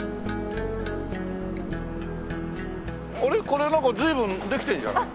これなんか随分できてるじゃない。